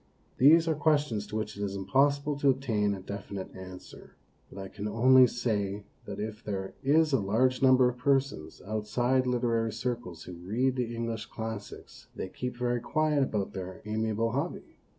These are questions to which it is impossible to obtain a definite answer ; but I can only say that if there is a large number of persons outside literary circles who read the English ii classics, they keep very quiet about their amiable hobby.